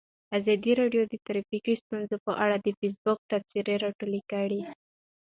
ازادي راډیو د ټرافیکي ستونزې په اړه د فیسبوک تبصرې راټولې کړي.